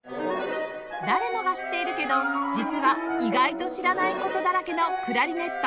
誰もが知っているけど実は意外と知らない事だらけのクラリネット